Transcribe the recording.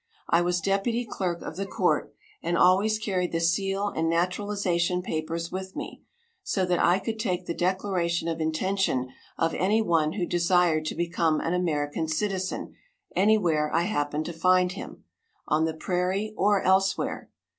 I was deputy clerk of the court, and always carried the seal and naturalization papers with me, so that I could take the declaration of intention of anyone who desired to become an American citizen anywhere I happened to find him, on the prairie or elsewhere.